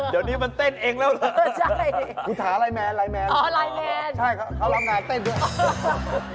เดี๋ยวนี้มันเต้นเองแล้วหรือ